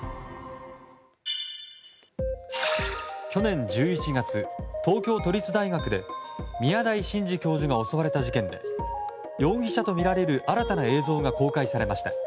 去年１１月東京都立大学で宮台真司教授が襲われた事件で容疑者とみられる新たな映像が公開されました。